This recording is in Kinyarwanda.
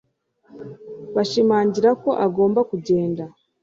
bashimangira ko agomba kugenda